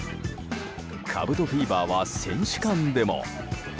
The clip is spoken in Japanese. かぶとフィーバーは選手間でも。